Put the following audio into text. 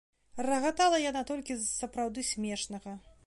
Рагатала яна толькі з сапраўды смешнага.